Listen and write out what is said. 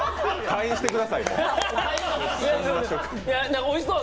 退院してください、もう。